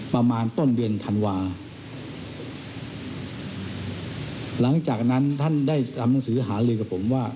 ประมาณต้นเดือนธันวาหลังจากนั้นท่านได้ทำหนังสือหาลือกับผมว่า